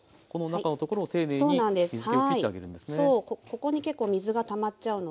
ここに結構水がたまっちゃうのではい